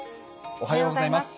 おはようございます。